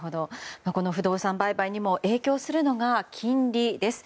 不動産売買にも影響するのが金利です。